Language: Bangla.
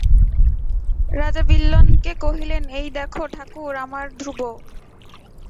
রাজা বিল্বনকে কহিলেন, এই দেখো ঠাকুর, আমার ধ্রুব।